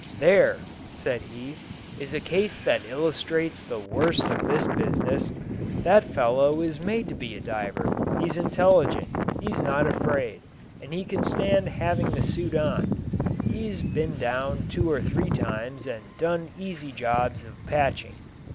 "There," said he, "is a case that illustrates the worst of this business. That fellow is made to be a diver; he's intelligent, he's not afraid, and he can stand having the suit on; he's been down two or three times and done easy jobs of patching.